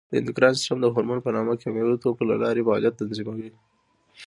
د اندوکراین سیستم د هورمون په نامه کیمیاوي توکو له لارې فعالیت تنظیموي.